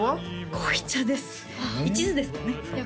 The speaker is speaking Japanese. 濃い茶です一途ですかね